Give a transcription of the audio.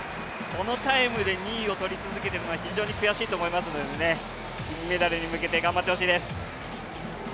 このタイムで２位を取り続けているのは非常に悔しいですので金メダルに向けて頑張ってほしいです。